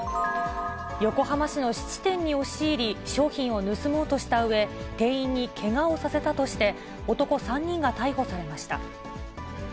横浜市の質店に押し入り、商品を盗もうとしたうえ、店員にけがをさせたとして、男３人が逮捕されました。